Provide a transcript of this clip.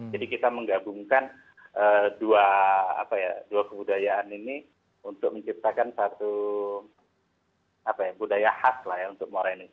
jadi kita menggabungkan dua kebudayaan ini untuk menciptakan satu budaya khas lah ya untuk morenin